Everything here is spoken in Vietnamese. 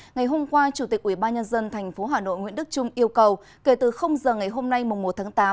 ngày hôm qua chủ tịch ubnd tp hà nội nguyễn đức trung yêu cầu kể từ giờ ngày hôm nay một tháng tám